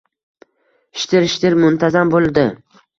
Shitir-shitir muntazam bo‘ldi.